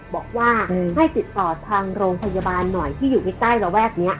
บอกว่าให้ติดต่อทางโรงพยาบาลหน่อยที่อยู่ใกล้ระแวกนี้